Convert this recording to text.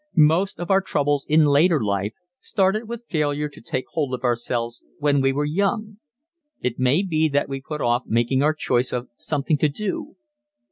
Most of our troubles in later life started with failure to take hold of ourselves when we were young. It may be that we put off making our choice of something to do.